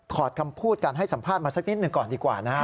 คำพูดการให้สัมภาษณ์มาสักนิดหนึ่งก่อนดีกว่านะฮะ